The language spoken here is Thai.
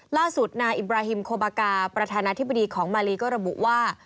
ล่าสุดนายอิบราฮิมโคบากาประธานาธิบดีของมาลีก็ระบุว่า